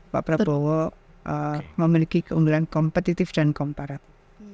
pak prabowo memiliki keunggulan kompetitif dan komparat